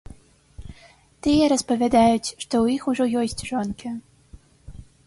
Тыя распавядаюць, што ў іх ўжо ёсць жонкі.